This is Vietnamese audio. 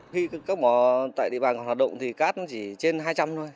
khi cấp mỏ tại địa bàn hoạt động thì cát nó chỉ trên hai trăm linh thôi